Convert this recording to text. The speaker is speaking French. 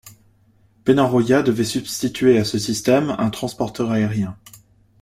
Penarroya devait substituer à ce système un transporteur aérien.